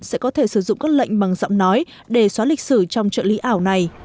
sẽ có thể sử dụng các lệnh bằng giọng nói để xóa lịch sử trong trợ lý ảo này